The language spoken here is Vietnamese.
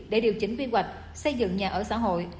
để điều chỉnh quy hoạch xây dựng nhà ở xã hội